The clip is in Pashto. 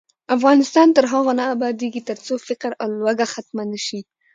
افغانستان تر هغو نه ابادیږي، ترڅو فقر او لوږه ختمه نشي.